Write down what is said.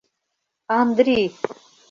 Андри.